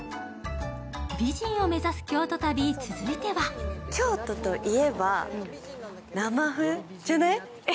美人を目指す京都旅、続いては京都といえば生麩じゃない？